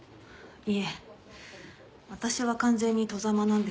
いえ私は完全に外様なんです。